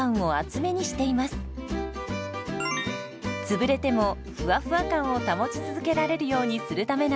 つぶれてもふわふわ感を保ち続けられるようにするためなんです。